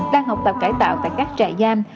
đang học tập cải tạo tại các trại giam